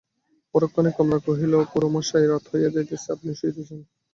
পরক্ষণেই কমলা কহিল, খুড়োমশায়, রাত হইয়া যাইতেছে, আপনি শুইতে যান।